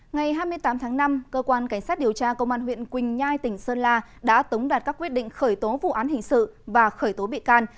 ngày hai mươi tám tháng năm cơ quan cảnh sát điều tra công an huyện quỳnh nhai tỉnh sơn la đã tống đạt các quyết định khởi tố vụ án hình sự và khởi tố bị can